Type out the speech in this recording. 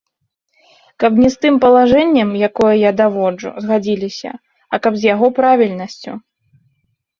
Каб не з тым палажэннем, якое я даводжу, згадзіліся, а каб з яго правільнасцю.